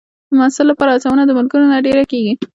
د محصل لپاره هڅونه د ملګرو نه ډېره کېږي.